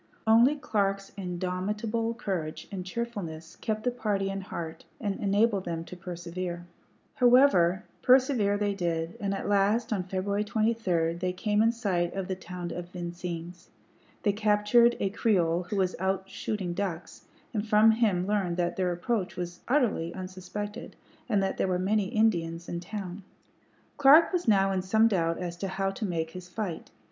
Only Clark's indomitable courage and cheerfulness kept the party in heart and enabled them to persevere. However, persevere they did, and at last, on February 23, they came in sight of the town of Vincennes. They captured a Creole who was out shooting ducks, and from him learned that their approach was utterly unsuspected, and that there were many Indians in town. Clark was now in some doubt as to how to make his fight.